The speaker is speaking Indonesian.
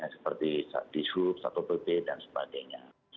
seperti satu bd dan sebagainya